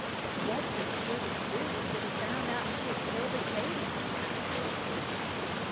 "What did Shuben do when she found out she had killed Accadee?" asked Felicity.